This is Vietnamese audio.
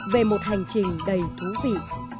về một hành trình đầy thú vị